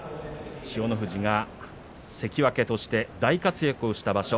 千代の富士が関脇として大活躍をした場所